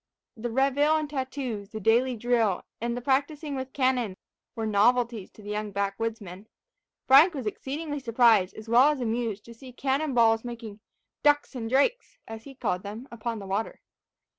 The reveille and tattoo, the daily drill, and the practising with cannon, were novelties to the young back woodsmen. Frank was exceedingly surprised, as well as amused, to see cannon balls making "ducks and drakes," as he called them, upon the water.